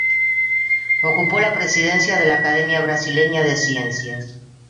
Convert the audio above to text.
Ocupó la presidencia de la Academia Brasileña de Ciencias.